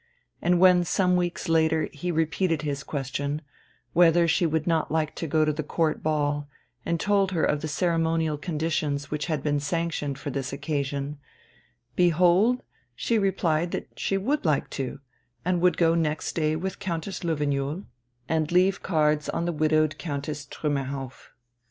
And when some weeks later he repeated his question, whether she would not like to go to the Court Ball, and told her of the ceremonial conditions which had been sanctioned for this occasion, behold, she replied that she would like to, and would go next day with Countess Löwenjoul and leave cards on the widowed Countess Trümmerhauff.